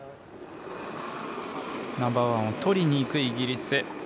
ナンバーワンをとりにいくイギリス。